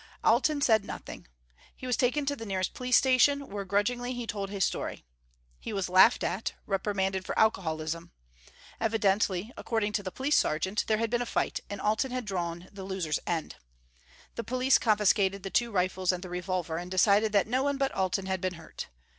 Alten said nothing. He was taken to the nearest police station where grudgingly, he told his story. He was laughed at; reprimanded for alcoholism. Evidently, according to the police sergeant, there had been a fight, and Alten had drawn the loser's end. The police confiscated the two rifles and the revolver and decided that no one but Alten had been hurt.